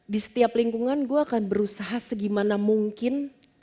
di setiap lingkungan gue akan berusaha segimana mungkin